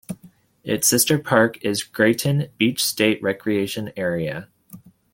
Its sister park is Grayton Beach State Recreation Area.